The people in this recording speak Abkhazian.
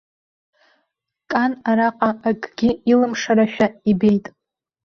Кан араҟа акгьы илымшарашәа ибеит.